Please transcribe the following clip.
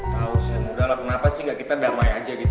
tau saya muda lah kenapa sih gak kita damai aja gitu